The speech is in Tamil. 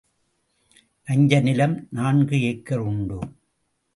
நஞ்சை நிலம் நான்கு ஏக்கர் உண்டு.